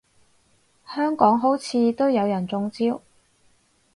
香港好似都有人中招